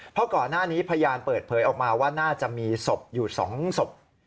เพราะก่อนหน้านี้พยานเปิดเผยออกมาว่าน่าจะมีศพอยู่๒ศพ